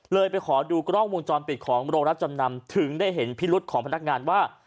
ไปขอดูกล้องวงจรปิดของโรงรับจำนำถึงได้เห็นพิรุษของพนักงานว่า